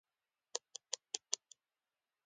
دولت هم ورته تمایل لري.